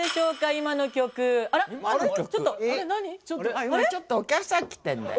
今ちょっとお客さん来てんだよ。